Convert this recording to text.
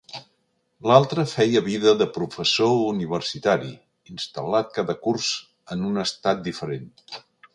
L'altre feia vida de professor universitari, instal·lat cada curs en un estat diferent.